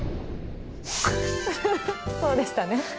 そうでしたね。